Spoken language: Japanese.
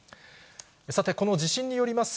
さて、この地震によります